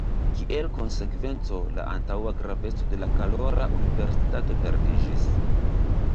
Kiel konsekvenco la antaŭa graveco de la Karola universitato perdiĝis.